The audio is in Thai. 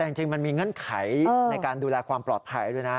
แต่จริงมันมีเงื่อนไขในการดูแลความปลอดภัยด้วยนะ